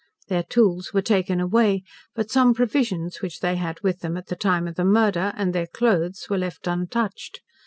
Their tools were taken away, but some provisions which they had with them at the time of the murder, and their cloaths, were left untouched.